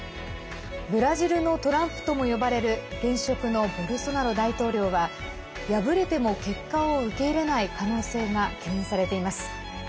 ブラジルのトランプとも呼ばれる現職のボルソナロ大統領は敗れても結果を受け入れない可能性が懸念されています。